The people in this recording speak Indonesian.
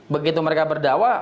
begitu mereka berdakwah